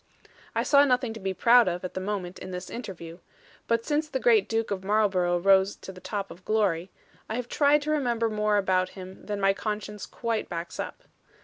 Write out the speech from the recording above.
I saw nothing to be proud of, at the moment, in this interview; but since the great Duke of Marlborough rose to the top of glory, I have tried to remember more about him than my conscience quite backs up.